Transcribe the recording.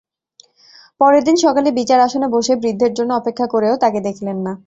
পরের দিন সকালে বিচার আসনে বসে বৃদ্ধের জন্যে অপেক্ষা করেও তাকে দেখলেন না!